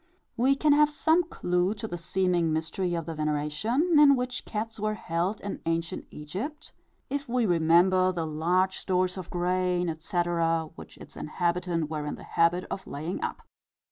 We can have some clue to the seeming mystery of the veneration, in which cats were held in ancient Egypt, if we remember the large stores of grain, etc., which its inhabitants were in the habit of laying up.